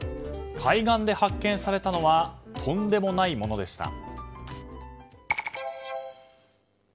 海岸で発見されたのはとんでもないものでした。